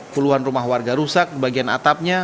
puluhan rumah warga rusak di bagian atapnya